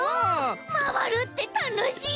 まわるってたのしい！